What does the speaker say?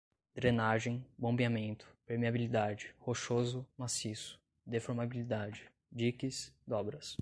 drenagem, bombeamento, permeabilidade, rochoso maciço, deformabilidade, diques, dobras